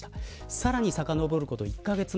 さらに、さかのぼること１カ月前。